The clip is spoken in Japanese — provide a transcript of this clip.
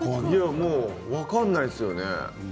分からないですよね。